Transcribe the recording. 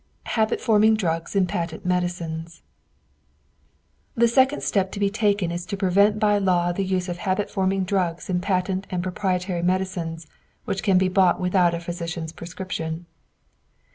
HABIT FORMING DRUGS IN PATENT MEDICINES The second step to be taken is to prevent by law the use of habit forming drugs in patent and proprietary medicines which can be bought without a physician's prescription.